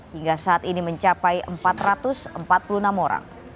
hingga saat ini mencapai empat ratus empat puluh enam orang